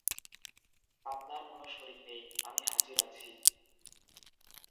আপনার কোনো শরীক নেই, আমি হাজির আছি।